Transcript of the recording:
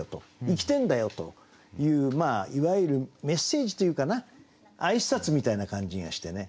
生きてんだよといういわゆるメッセージというかな挨拶みたいな感じがしてね